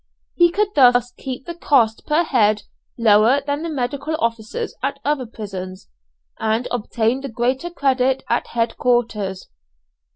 He could thus keep the cost per head lower than the medical officers at other prisons, and obtain the greater credit at head quarters.